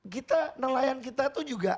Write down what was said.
kita nelayan kita itu juga